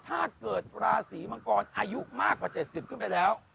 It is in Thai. ถ้าเกิดราศีมังกรอายุมากกว่า๗๐ขึ้นไปแล้ว